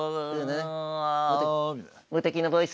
「無敵のボイス」